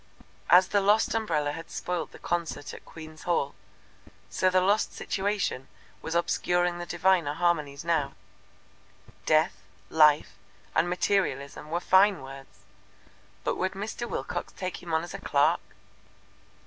As the lost umbrella had spoilt the concert at Queen's Hall, so the lost situation was obscuring the diviner harmonies now. Death, Life and Materialism were fine words, but would Mr. Wilcox take him on as a clerk?